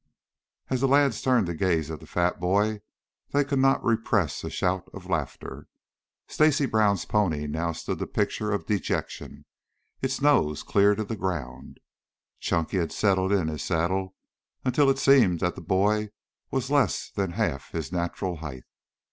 As the lads turned to gaze at the fat boy, they could not repress a shout of laughter. Stacy Brown's pony now stood the picture of dejection, its nose clear to the ground. Chunky had settled in his saddle until it seemed that the boy was less than half his natural height.